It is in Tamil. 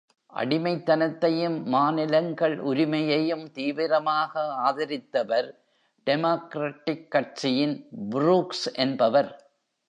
அடிமைத் தனத்தையும் மாநிலங்களின் உரிமையையும் தீவிரமாக ஆதரித்தவர் டெமாக்ரடிக் கட்சியின் Brooks என்பவர்.